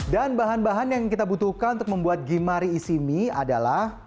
dan bahan bahan yang kita butuhkan untuk membuat gimari isimi adalah